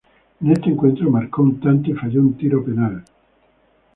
En este encuentro, marcó un tanto y falló un tiro penal.